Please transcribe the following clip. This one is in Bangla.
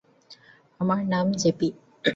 আমার নাম জেপি।